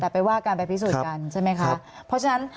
ไปว่ากันไปพิสูจน์กันใช่ไหมครับ